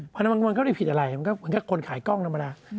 เพราะมันก็ไม่มีผิดอะไรมันก็คนขายกล้องนำมาได้